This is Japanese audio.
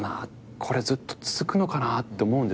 これずっと続くのかなって思うんですけども